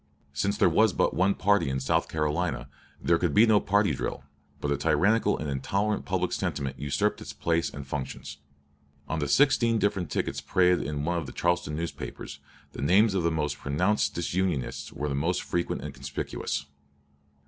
Since there was but one party in South Carolina, there could be no party drill; but a tyrannical and intolerant public sentiment usurped its place and functions. On the sixteen different tickets paraded in one of the Charleston newspapers, the names of the most pronounced disunionists were the most frequent and conspicuous.